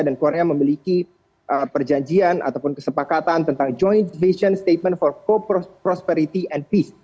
dan korea memiliki perjanjian ataupun kesepakatan tentang joint vision statement for co prosperity and peace